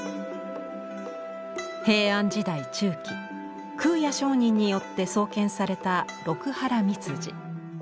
平安時代中期空也上人によって創建された六波羅蜜寺。